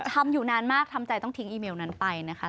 อยู่นานมากทำใจต้องทิ้งอีเมลนั้นไปนะคะ